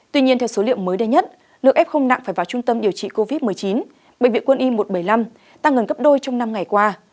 tuy nhiên theo số liệu mới đây nhất lượng f nặng phải vào trung tâm điều trị covid một mươi chín bệnh viện quân y một trăm bảy mươi năm tăng gần gấp đôi trong năm ngày qua